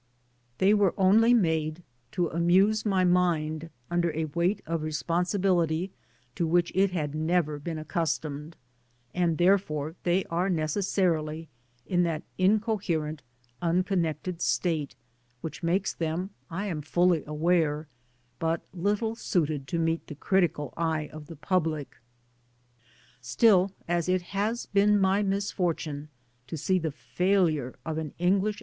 TTiey were only made to amuse my mind under a weight of responsibility to which it had never been accustomed, and therefore they are necessarily in that inccJierent, uncon nected state which makes them, I am fully aware, but littled suited to meet the critical eye of the public ; still as it has been my misfortune to see the failure of an English Digitized byGoogk INTRODUCTION.